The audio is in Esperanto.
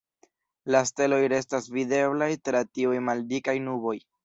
La steloj restas videblaj tra tiuj maldikaj nuboj.